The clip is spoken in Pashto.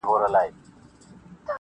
• پر سرو سکروټو پر اغزیو د بېدیا راځمه -